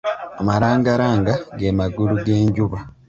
Amalangalanga ge magulu g'enjuba.